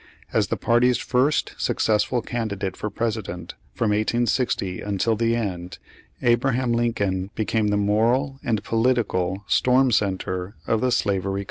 As the party's first successful candidate for President, from 1860 until the end, Abraham Lincoln became the moral and political storm center of the slavery controversy.